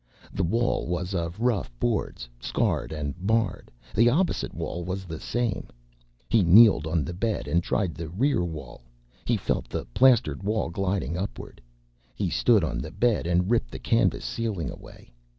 The wall was of rough boards, scarred and marred. The opposite wall was the same. He kneeled on the bed and tried the rear wall. He felt the plastered wall gliding upward. He stood on the bed and ripped the canvas ceiling away.